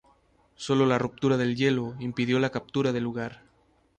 Sólo la ruptura del hielo impidió la captura del lugar.